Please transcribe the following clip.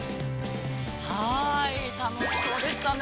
◆はい、楽しそうでしたね。